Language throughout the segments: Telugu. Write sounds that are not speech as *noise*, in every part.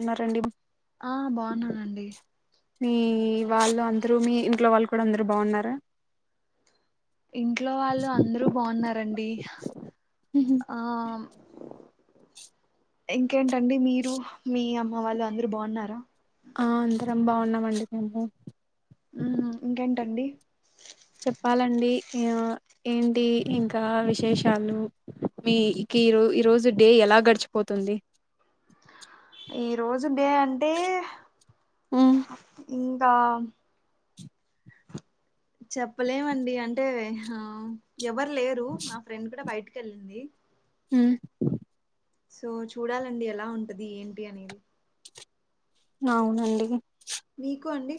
ఉన్నారాంది ఆ బాగున్నానండి మీ వాళ్ళు అందరూ మీ ఇంట్లో వాళ్ళు కూడా అందరు బాగున్నారా? ఇంట్లో వాళ్ళు అందరూ బాగున్నారండి అమ్ ఇంకేంటండి మీరు మీ అమ్మ వాళ్ళు అందరు బాగున్నారా? ఆ అందరం బాగున్నామండి మేము ఉహ్ ఇంకేంటండి చెప్పాలండి హమ్ ఏంటి ఇంకా విశేషాలు, మీకి ఈరోజ్ ఈరోజు డే ఎలా గడిచిపోతుంది? ఈ రోజు డే అంటే ఉమ్ ఇంకా చెప్పలేమండి అంటే హా ఎవరు లేరు నా ఫ్రెండ్ కూడ బయటి కెళ్ళంది. హ్మ్ సో చూడాలండి ఎలా ఉంటది ఏంటి అనేది! అవునండి మీకు అండి?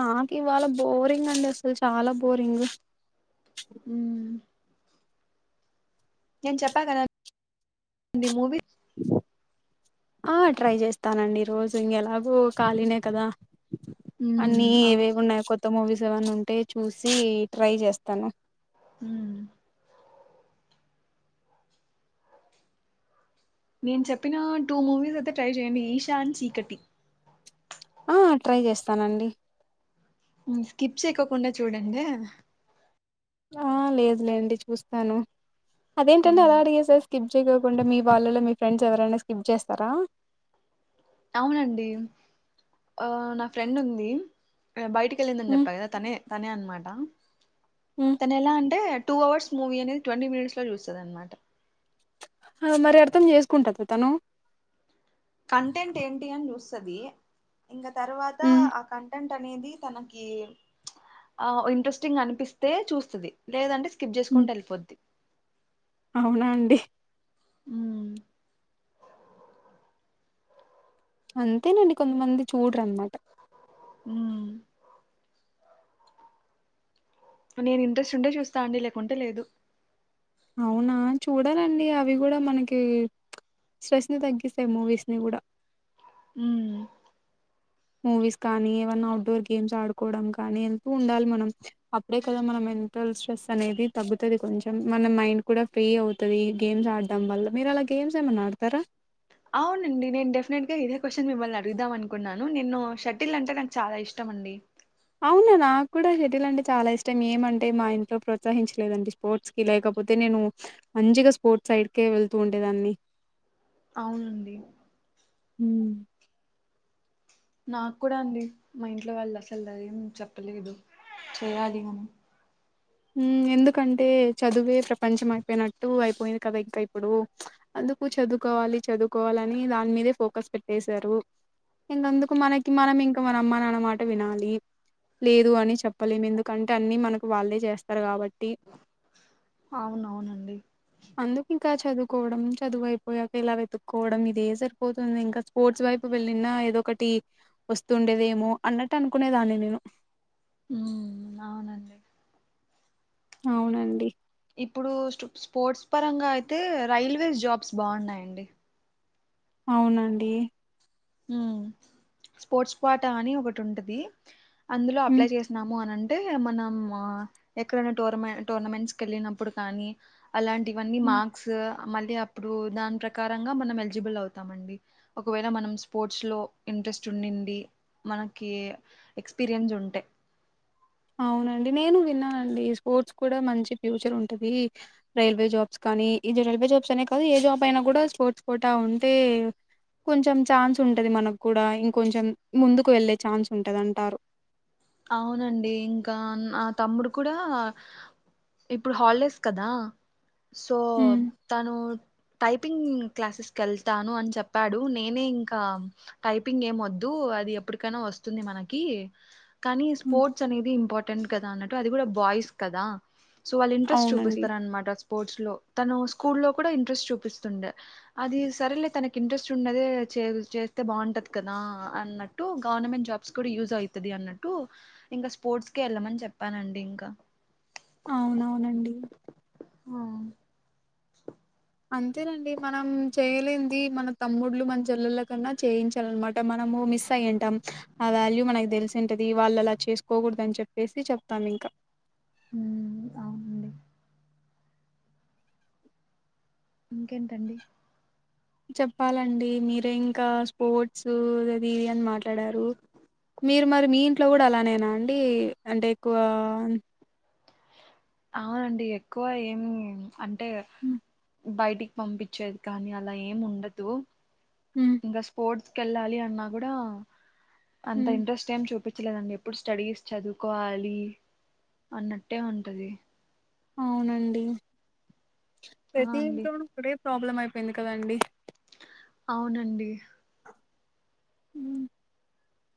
నాకు ఇవాళ బోరింగ్ అండి అసలు చాలా బోరింగ్. మ్మ్ నేను చెప్పా కదా *inaudible* మూవీ ఆ ట్రై చేస్తానండి ఈ రోజు ఇంకెలాగూ ఖాళీనే కదా. మ్మ్ అన్ని ఆ ఏవేవి ఉన్నాయో కొత్త మూవీస్ బాగున్నై ఉంటే చూసి ట్రై చేస్తాను. హ్మూ నేను చెప్పిన టూ మూవీస్ అయితే ట్రై చేయండి ఈషా అండ్ చీకటి. ఆ ట్రై చేస్తానండి. స్కిప్ చేయకోకుండా చూడండే ఆ లేదులే అండి చూస్తాను. అదేంటండి అలా అడిగేశారు స్కిప్ చెయకోకుండా మీ వాళ్ళలో మీ ఫ్రెండ్స్ ఎవరైనా స్కిప్ చేస్తారా? అవునండి ఆ నా ఫ్రెండ్ ఉంది. బయటికి వెళ్ళిందని హ్మ్ చెప్పా కదా తనే తనే అనమా ట హ్మ్ తను ఎలా అంటే టూ అవర్స్ మూవీ అనేది ట్వంటీ మినిట్స్ లో చూస్తది అనమాట. మరి అర్థం చేసుకుంటదా తనూ కంటెంట్ ఏంటి అని చూస్తది, ఇంకా తర్వాత హ్మ్ ఆ కంటెంట్ అనేది తనకి ప్చ్ ఆ ఇంట్రెస్టింగ్ అనిపిస్తే చూస్తది, లేదంటే స్కిప్ హ్మ్ చేసుకుంటూ వెళ్ళిపోద్ది. అవునా అండి ఉమ్ అంతేనండి కొంతమంది చూడరు అనమాట. మ్మ్ నేను ఇంట్రెస్ట్ ఉంటే చూస్తా అండి లేకుంటే లేదు. అవునా చూడాలండి అవి కూడా మనకి స్ట్రెస్ ని తగ్గిస్తాయి మూవీస్ ని కూడా. మ్ మూవీస్ కానీ, ఏమన్నా అవుట్డోర్ గేమ్స్ ఆడుకోవడం కానీ, వెళ్తూ ఉండాలి మనం. అప్పుడే కదా మన మెంటల్ స్ట్రెస్ అనేది తగ్గుతది కొంచెం మన మైండ్ కూడా ఫ్రీ అవుతది గేమ్స్ ఆడడం వల్లా. మీరు అలా గేమ్స్ ఏమన్నా ఆడతారా? అవునండి నేను డెఫినెట్ గా ఇదే క్వశ్చన్ మిమ్మల్ని అడుగుదాం అనుకున్నాను నిన్ను. షటిల్ అంటే నాకు చాలా ఇష్టం అండి. అవునా నాకు కూడా షటిల్ల్ అంటే చాలా ఇష్టం ఏమంటే మా ఇంట్లో ప్రోత్సహించలేదండి స్పోర్ట్స్కి, లేకపోతే నేను మంచిగా స్పోర్ట్స్ సైడ్కే వెళ్తూ ఉండే దాన్ని. అవునండి హ్మ్ నాక్కూడ అండి మా ఇంట్లో వాళ్ళు అసలు అది ఏం చెప్పలేదు చెయ్యాలి అని మ్మ్ ఎందుకంటే చదువే ప్రపంచం అయిపోయినట్టు అయిపోయింది కదా ఇంకా ఇప్పుడు. అందుకు చదువుకోవాలి, చదువుకోవాలని దాని మీదే ఫోకస్ పెట్టేశారు. ఇంకందుకు మనకి మనం ఇంకా మన అమ్మని అన్నమాట వినాలి. లేదు అని చెప్పలేము ఎందుకంటే, అన్నీ మనకు వాళ్ళే చేస్ తరు కాబట్టి. అవునవునండి అందుకు ఇంకా చదువుకోవడం చదువు అయిపోయాక ఇలా వెతుక్కోవడం ఇదే సరిపోతుంది ఇంక స్పోర్ట్స్ వైపు వెళ్ళిన ఏదో ఒకటి వస్తూండేదేమో అన్నట్టు అనుకునేదాన్ని నేను ఉమ్ అవునండి అవునండి ఇప్పుడు స్పోర్ట్స్ పరంగా అయితే రైల్వేస్ జాబ్స్ బాగున్నాయండి అవునండి ఉమ్ స్పోర్ట్స్ క్వాటా అని ఒకటుంటది అందులో అప్లై హ్మ్ చేసినాము అనం అంటే మనం ఎక్కడైనా టోర్నమె టోర్నమెంట్స్ కెళ్ళినప్పుడు కానీ అలాంటివన్నీ హ్మ్ మార్క్స్ మళ్ళీ అప్పుడు దాని ప్రకారంగా మనం ఎలిజిబుల్ అవుతామండి ఒకవేళ మనం స్పోర్ట్స్ లో ఇంట్రెస్ట్ ఉండింది మనకి ఎక్స్పీరియన్స్ ఉంటె అవునండి నేను విన్నానండి స్పోర్ట్స్ కూడా మంచి ఫ్యూచర్ ఉంటది. రైల్వే జాబ్స్ కానీ ఇది రైల్వే జాబ్స్ అనే కాదు ఏ జాబ్ అయినా కూడా స్పోర్ట్స్ క్వాటా ఉంటే కొంచెం ఛాన్స్ ఉంటది మనకు కూడా ఇంకొంచెం ముందుకు వెళ్ళే ఛాన్స్ ఉంటదంటారు. అవునండి ఇంకా నా తమ్ముడు కూడా ఇప్పుడు హాలిడేస్ కదా సో హ్మ్ తను టైపింగ్ క్లాసెస్కెళ్తాను అని చెప్పాడు నేనే ఇంకా టైపింగ్ ఏమీ వద్దు అది ఎప్పటికైనా వస్తుంది మనకి కానీ హ్మ్ స్పోర్ట్స్ అనేది ఇంపా టెంట్ కదా అన్నట్టు అది కూడా బాయ్స్ కదా సో వాళ్ళు ఇంట్రెస్ట్ అవునండి చూపిస్తారనమాట స్పోర్ట్స్ లో తను స్కూల్ లో కూడా ఇంట్రెస్ట్ చూపిస్తుండే. అది సరేలే తనకి ఇంట్రెస్ట్ ఉన్నదే చేస్తే బాగుంటది కదా అన్నట్టు గవర్నమెంట్ జాబ్స్ కూడా యూజ్ అయితది అన్న. ట్టు ఇంకా స్పోర్ట్స్ కే ఎళ్ళమని చెప్పానండి ఇంకా అవునవునండి ఆ అంతేనండి మనం చేయలేంది మన తమ్ముడ్లు మన చెల్లెళ్లకన్నా చేయించాలన్నమాట. మనము మిస్ అయ్యింటాం ఆ వ్యాల్యూ మనకి తెలిసి ఉంటది. వాళ్ళలా చేసుకోకూడదు అని చెప్పేసి చెప్తాం ఇంకా. ఉమ్ అవునండి ఇంకేంటండి చెప్పాలండి మీరే ఇంకా స్పోర్ట్సూ ఇది అని మాట్లాడారు. మీరు మరి మీ ఇంట్లో కూడా అలానేనా అండి అంటే ఎక్కువా అవునండి ఎక్కువ ఏమి అంటే హ్మ్ బయటికి పంపిచ్చేది కానీ అలా ఏం ఉండదు హ్మ్ ఇంకా స్పోర్ట్స్ కెళ్ళాలి అన్నా కూడా అంత హ్మ్. ఇంట్రెస్ట్ ఏమి చూపి చలేదండి ఎప్పుడు స్టడీస్ చదువుకోవాలి అన్నట్టే ఉంటది అవునండి ఆ ప్రతీ అండి ఇంట్లోను పడే ప్రాబ్లమ్ అయిపోయింది కదండి అవునండి మ్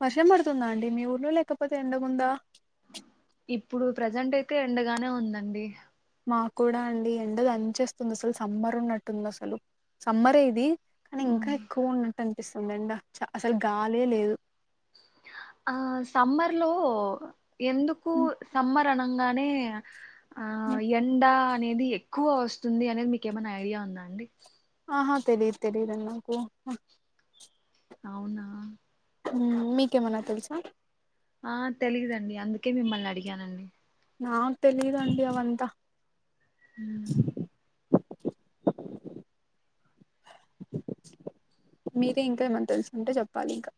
వర్షం పడుతుందా అండి మీ ఊర్లో లేకపోతే ఎండగుందా ఇప్పుడు ప్రజెంట్ అయితే ఎండగానే ఉందండి మాకు కూడా అండి ఎండ దంచేస్తుంది అసలు సమ్మర్ ఉన్నట్టుంది అసలు సమ్మర్ ఏ ఇది కానీ ఇంకా ఉమ్ ఎక్కువ ఉన్నట్టు అనిపిస్తుంది ఎండ అసలు గాలే లేదు ఆ సమ్మర్ లో ఎందుకు సమ్మర్ అనంగానే ఆ ఎండ అనేది ఎక్కువ వస్తుంది అనేది మీకు ఏమైనా ఐడియా ఉందా అండి ఆహా తెలీదు తెలీదు అండి నాకు అవునా మీకేమనా తెలుసా ఆ తెలిదండి అందుకే మిమ్మల్ని అడిగానండి నాక్ తెలిదండి అవంతా ఉమ్. *unintelligible* మీరే ఇంకా ఏమన్న తెలుసుకుంటే చెప్పాలి ఇంకా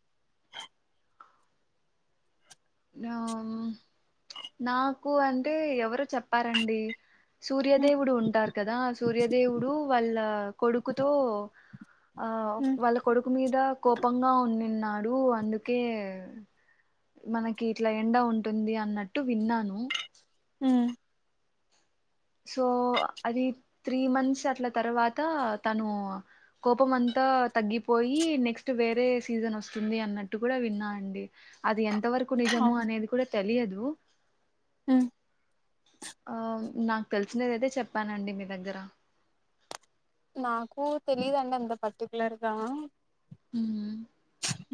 ఆ నాకు అంటే ఎవరు చెప్పారండి ఉమ్, సూర్యదేవుడు ఉంటారు కదా సూర్యదేవుడు వాళ్ళ కొడుకుతో ఆ ఉమ్, వాళ్ళ కొడుకు మీద కోపంగా ఉండిన్న డు అందుకే మనకి ఇట్లా ఎండ ఉంటుంది అన్నట్టు విన్నాను ఉమ్, సో అది త్రీ మంత్స్ అట్ల తర్వాత తను కోపం అంతా తగ్గిపోయి నెక్స్ట్ వేరే సీజన్ వస్తుంది అన్నట్టు కూడా విన్నా అండి అది ఎం తవరకు నిజము అనేది కూడా తెలియదు ఆ ఆ నాకు తెలిసినదయితే చెప్పానండి మీ దగ్గర నాకు తెలిదండి అంత పర్టికులర్గా మ్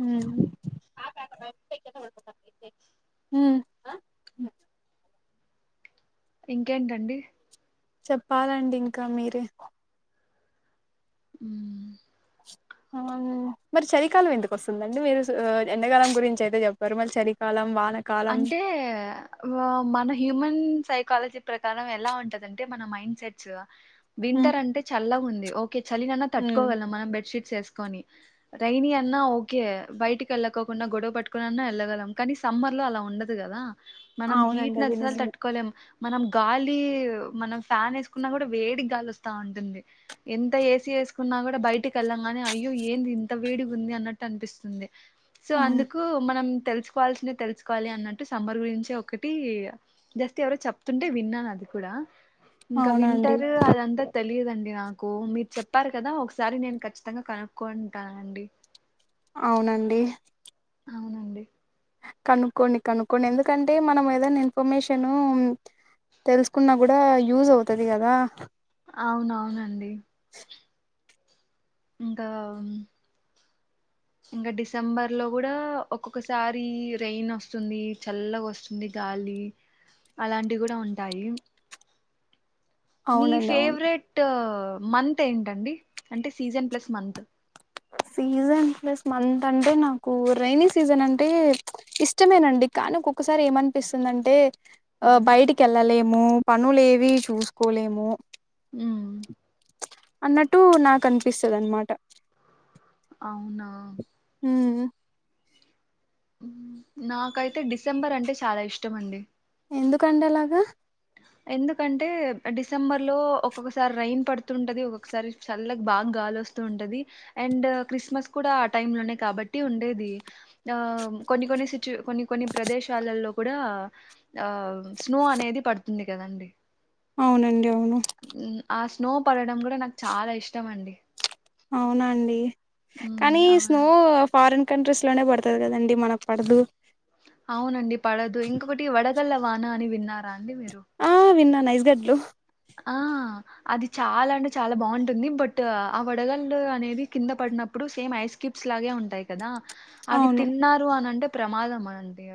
మ్ ఉమ్ ఇంకేంటండి చెప్పాలండి ఇంకా మీరే ఉ ఆ మరి చలికాలం ఎందుకు వస్తుందండి మీరు ఎండకాలం గురించి అయితే చెప్పారు మళ్ళీ చలికాలం వానకాలం అంటే మన హ్యూమన్ సై కాలజీ ప్రకారం ఎలా ఉంటదంటే మన మైండ్ సెట్స్ ఉమ్ వింటర్ అంటే చల్ల ఉం ఓ చలినన్నా తట్టుకోగళం మనం బెడ్షీట్ ట్స్ ఏసుకొనీ రైనీ అన్నా ఓకే బయటికి వెళ్ళకోకుండా గొడవ పట్టుకోని అన్నా వెళ్ళగలం కానీ సమ్మర్ లో అలా ఉండదు కదా మనం హీట్ అవునండి అది నచ్చినాలు నిజమే తట్టుకోలేం మనం గాలి మనం ఫ్యాన్ వేసుకున్నా కూడా వేడికి గాలి వస్తా ఉంటుంది ఎంత ఏసీ వేసుకున్నా కూడా బయటికి వెళ్ళాం గాని అయ్యో ఏంది ఇంత వేడిగా ఉంది అన్నట్టు అనిపిస్తుంది సో హ్మ్. అందుకు మనం తెలుసుకోవాల్సింది తెలుసు కోవాలి అన్నట్టు సమ్మర్ గురించే ఒకటి జస్ట్ ఎవరో చెప్తుంటే విన్నాను అది కూడా ఇంకా అవునండి వింటరు అదంతా తెలియదండి నాకు మీరు చెప్ప చెప్పారు కదా ఒకసారి నేను ఖచ్చితంగా కనుక్కకుంటానండి అవునండి అవునండి కనుక్కోండి కనుక్కోండి ఎందుకంటే మనం ఏదైనా ఇన్ఫర్మేషన్ తెలుసుకున్నా కూడా యూజ్ అవుతుది కదా అవునవునండి ఇంకా ఇంకా డిసెంబర్ లో కూడా ఒక్కొక్కసారి రైన్ వస్తుంది చల్లగా వస్తుంది గాలి అలాంటి కూడా ఉంటాయి మీ అవునండి అవును ఫేవరెట్ మంత్ ఏంటండి అంటే season plus month season plus month అంటే నాకు రైైన సీజన్ అంటే ఇష్టమేనండి కానీ ఒక్కొక్కసారి ఏమనిపిస్తుందంటే ఆ బయటికి వెళ్లలేం పనులేవి చూసుకోలేము మ్మ్ అన్నట్టు నాకు అనిపిస్తుంది అన్నమాట అవునా మ్మ్ నాకైతే డిసెంబర్ అంటే చాలా ఇష్టం అండి ఎందుకండి అలాగా ఎందుకంటే డిసెంబర్ లో ఒక్కొక్కసారి రైన్ పడుతుంటది ఒక్కొక్కసారి చల్లకు బాగా గాలి వస్తూ ఉంటది అండ్ క్రిస్మస్ కూడా ఆ టై లోనే కాబట్టి ఉండేది ఆ కొన్ని కొన్ని సిచ్యు కొన్ని కొన్ని ప్రదేశాలలో కూడా ఆ స్నో అనేది పడుతు తుంది కదండి అవునండి అవును మ్మ్. ఆ స్నో పడడం కూడా నాకు చాలా ఇష్టం అండి అవునాండి మ్మ్ కానీ స్నో అవునండి ఫారెన్ కంట్రీస్ లోనే పడుతుంది కదండి మనకు పడదు అవునండి పడదు ఇంకొకటి వడగల్ల వాన అని విన్నా రా అండి మీరు ఐస్ గడ్లు ఆ అది చాలా అంటే చాలా బాగుంటుంది బట్ ఆ వడగల్లు అనేది కింద పడినప్పుడు సేమ్ ఐస్ క్యూబ్స్ లాగే ఉంటాయి కదా అవి అవును తిన్నారు అనింటే ప్రమాదమా అంటడి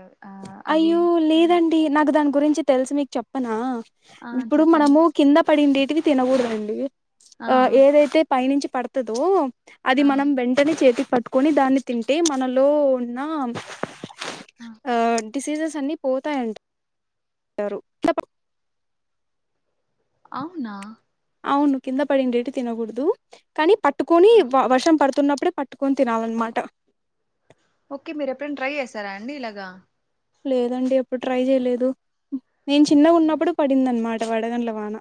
అయ్యో లేదండి నాకు దానికి గురించి తెలుసు మీకు చెప్పనా ఆ ఇప్పుడు మనము చెప్పండి కింద పడిండేటి తినకూడండి ఆ ఏదైతే పైనుంచి పడతాడో అది ఆ మనం వెంటనే చేతికి పట్ ట్టుకొని దాన్ని తింటే మనలో ఉన్న ఆ ఆ డిసీజెస్ అన్ని పోతాయి అంట కిందపడ్ అవునా అవును కింద పడిండేటు తినకూడదు కానీ ప ట్టుకని వర్షం పడుతున్న అప్పుడే పట్టుకొని తినాలన్నమాట ఓకే మీరు ఎప్పుడైనా ట్రై చేసారా అండి ఇలాగా లేదండి ఎప్పుడు ట్రై చేయలేదు నేను చిన్నగా ఉన్నప్పుడు పడింది అనమాట వడగళ్ల వాన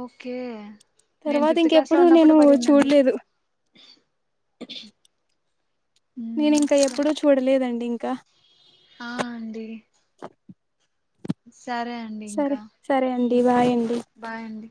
ఓకే నేను తర్వాత ఫిఫ్త్ క్లాస్ లో ఇంకెప్పుడు ఉన్నప్పుడు నేను పడిందండి చూడలేదు నేను ఉమ్ ఇంకా స ఎప్పుడూ చూడలేదండి ఇంకా ఆ అండి సరే అండి ఇంకా సరే సరే ఓకే బాయ్ అండి బాయ్ అండి